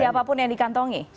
siapapun yang di kantongnya